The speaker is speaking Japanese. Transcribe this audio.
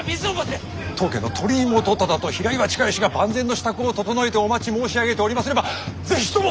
当家の鳥居元忠と平岩親吉が万全の支度を整えてお待ち申し上げておりますれば是非とも！